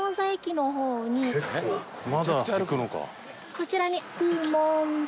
そちらに。